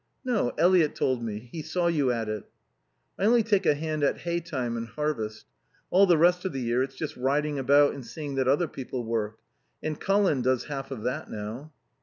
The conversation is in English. "No. Eliot told me. He saw you at it." "I only take a hand at hay time and harvest. All the rest of the year it's just riding about and seeing that other people work. And Colin does half of that now."